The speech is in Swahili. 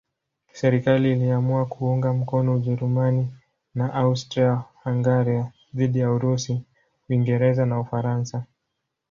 Serikali iliamua kuunga mkono Ujerumani na Austria-Hungaria dhidi ya Urusi, Uingereza na Ufaransa.